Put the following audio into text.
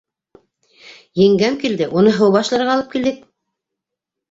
Еңгәм килде, уны һыу башларға алып килдек.